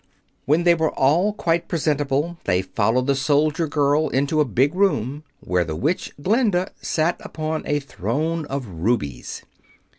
When they were all quite presentable they followed the soldier girl into a big room where the Witch Glinda sat upon a throne of rubies.